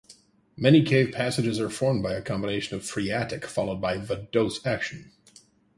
Many cave passages are formed by a combination of phreatic followed by vadose action.